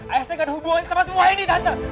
ayah saya tidak ada hubungan dengan semua ini tante